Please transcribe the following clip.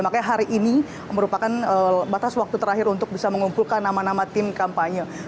makanya hari ini merupakan batas waktu terakhir untuk bisa mengumpulkan nama nama tim kampanye